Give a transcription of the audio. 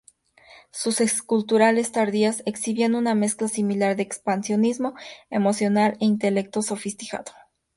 Sus esculturas tardías exhibían una mezcla similar de expansionismo emocional e intelecto sofisticado.